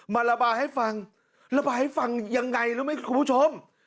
มาระบายให้ฟังระบายให้ฟังยังไงรู้ไหมคุณผู้ชม